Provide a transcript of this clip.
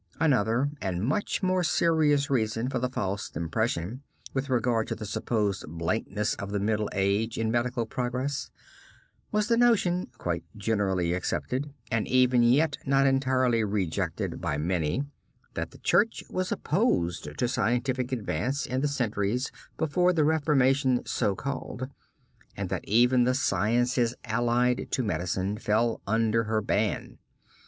Another and much more serious reason for the false impression with regard to the supposed blankness of the middle age in medical progress, was the notion, quite generally accepted, and even yet not entirely rejected, by many, that the Church was opposed to scientific advance in the centuries before the reformation so called, and that even the sciences allied to medicine, fell under her ban.